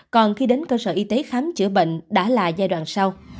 còn khi đến cơ sở y tế khám chữa bệnh đã là giai đoạn sau